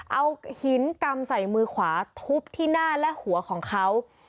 เอาหินกำใส่มือขวาทุบที่หน้าและหัวของเขา